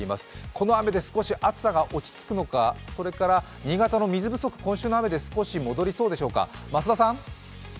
この雨で少し暑さが落ち着くのか、新潟の水不足、今週の雨で少し戻りそうでしょうか。